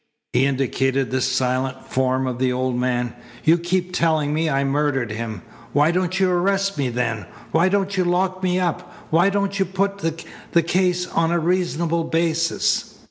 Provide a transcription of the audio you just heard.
He indicated the silent form of the old man. "You keep telling me I murdered him. Why don't you arrest me then? Why don't you lock me up? Why don't you put the case on a reasonable basis?"